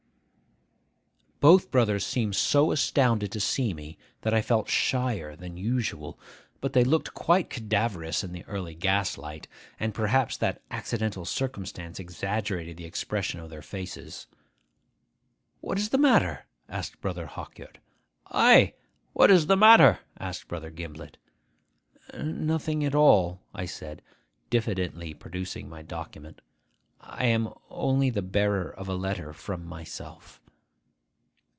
Both brothers seemed so astounded to see me that I felt shyer than usual. But they looked quite cadaverous in the early gaslight, and perhaps that accidental circumstance exaggerated the expression of their faces. 'What is the matter?' asked Brother Hawkyard. 'Ay! what is the matter?' asked Brother Gimblet. 'Nothing at all,' I said, diffidently producing my document: 'I am only the bearer of a letter from myself.